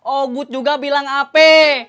oh bu juga bilang apa